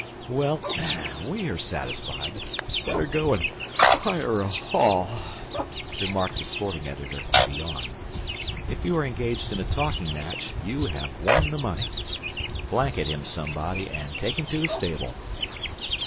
"Well, we are satisfied. Better go and hire a hall," remarked the sporting editor, with a yawn. "If you are engaged in a talking match you have won the money. Blanket him somebody, and take him to the stable."